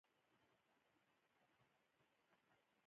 ایا کله مو هډوکی مات شوی دی؟